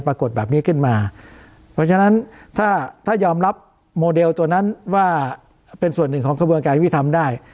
เพราะฉะนั้นถ้ายอมรับโมเดลตัวนั้นว่าเป็นส่วนหนึ่งของกระบวนการที่พี่ทำได้